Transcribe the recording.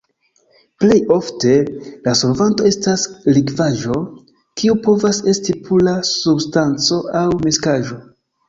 Plej ofte, la solvanto estas likvaĵo, kiu povas esti pura substanco aŭ miksaĵo.